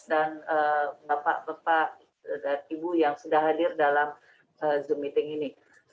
dan bapak bapak dan ibu yang sudah hadir dalam zoom meeting ini